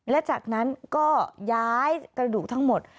และจากนั้นก็ย้ายกระดูกทั้งหมด